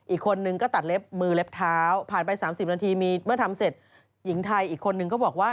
อีกคนนึงก็ตัดเล็บมือเล็บเท้าผ่านไป๓๐นาทีมีเมื่อทำเสร็จหญิงไทยอีกคนนึงก็บอกว่า